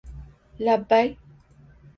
— Labbay?